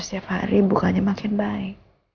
tuhan tidak minjri imnement kamu